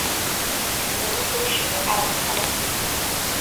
年轻时爱跳舞。